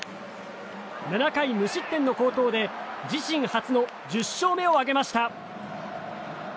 ７回無失点の好投で自身初の１０勝目を挙げました。